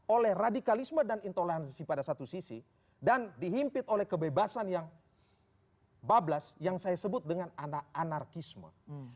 oleh radikalisme dan intoleransi pada satu sisi dan dihimpit oleh kebebasan yang bablas yang saya sebut dengan anak anarkisme